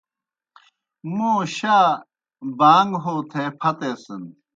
موں شا بانٚگ ہو تھے پھتیسِن۔